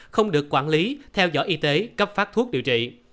không được quản lý theo dõi y tế cấp phát thuốc điều trị